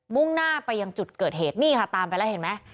่งหน้าไปยังจุดเกิดเหตุนี่ค่ะตามไปแล้วเห็นไหม